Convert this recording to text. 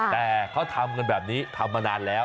แต่เขาทำกันแบบนี้ทำมานานแล้ว